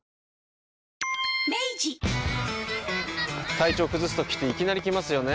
体調崩すときっていきなり来ますよね。